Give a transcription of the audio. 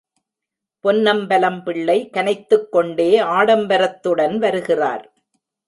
பொன்னம்பலம் பிள்ளை கனைத்துக்கொண்டே ஆடம்பரத்துடன் வருகிறார்.